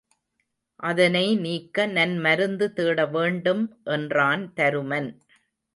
அதனை நீக்க நன்மருந்து தேட வேண்டும் என்றான் தருமன்.